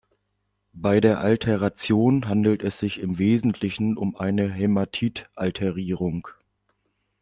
Bei der Alteration handelt es sich im Wesentlichen um eine Hämatit-Alterierung.